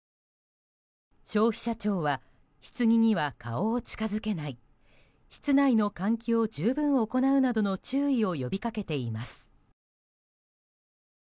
消費者庁はひつぎには顔を近づけない室内の換気を十分行うなどの注意を呼びかけています。